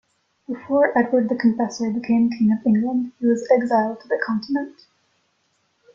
Before Edward the Confessor became king of England, he was exiled to the continent.